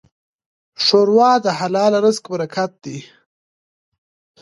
ښوروا د حلال رزق برکت ده.